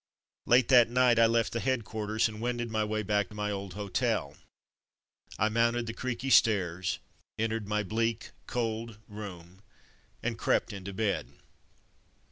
Late that night I left the head quarters and wended my way back to my old hotel. I mounted the creaky stairs, en tered my bleak, cold room, and crept into bed.